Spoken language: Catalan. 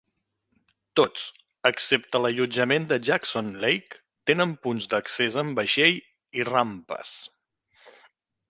Tots, excepte l'allotjament de Jackson Lake, tenen punts d'accés en vaixell i rampes.